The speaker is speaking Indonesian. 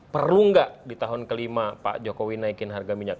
perlu nggak di tahun kelima pak jokowi naikin harga minyak